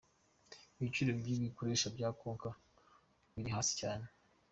Ibiciro by'ibikoresho bya Konka biri hasi cyane.